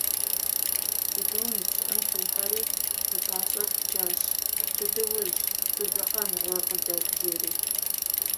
Джэдум и пщыӏэм техьэри, кхъуэпӏащэр джащ: - Джэдуужь, дызэдзэкъэн гуэр къыдэт, - жери.